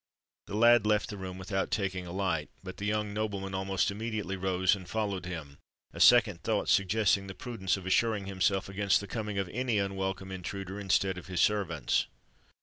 The lad left the room without taking a light, but the young nobleman almost immediately rose and followed him—a second thought suggesting the prudence of assuring himself against the coming of any unwelcome intruder instead of his servants.